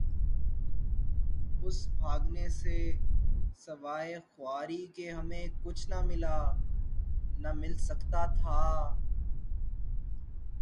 اس بھاگنے سے سوائے خواری کے ہمیں کچھ نہ ملا... نہ مل سکتاتھا۔